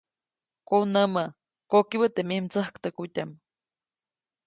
Konämä, kokibä teʼ mij mdsäktäjkutyaʼm.